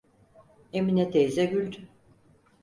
Emine teyze güldü: